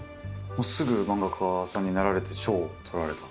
もうすぐ漫画家さんになられて賞をとられた？